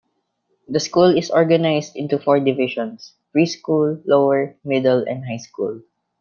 The school is organized into four divisions: preschool, lower, middle and high school.